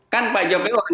kan pak jokowi itu